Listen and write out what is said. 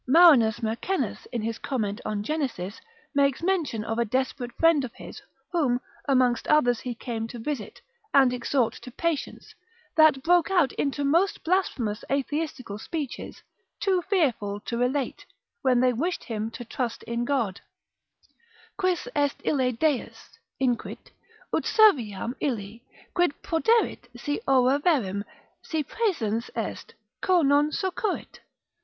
Marinus Mercennus, in his comment on Genesis, makes mention of a desperate friend of his, whom, amongst others, he came to visit, and exhort to patience, that broke out into most blasphemous atheistical speeches, too fearful to relate, when they wished him to trust in God, Quis est ille Deus (inquit) ut serviam illi, quid proderit si oraverim; si praesens est, cur non succurrit?